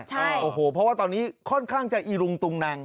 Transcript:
ใช่โอ้โหเพราะว่าตอนนี้ค่อนข้างจะอีรุงตุงนัง